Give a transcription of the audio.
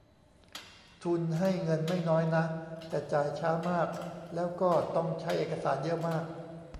ทุนให้เงินไม่น้อยนะ แต่จ่ายช้ามาก แล้วก็ต้องใช้เอกสารเยอะมาก